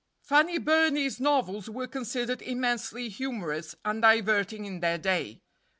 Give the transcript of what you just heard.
Fanny Burney's novels were considered immensely humorous and diverting in their day.